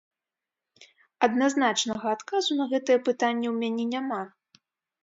Адназначнага адказу на гэтае пытанне ў мяне няма.